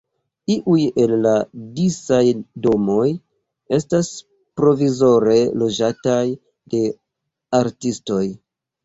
Iuj el la disaj domoj estas provizore loĝataj de artistoj.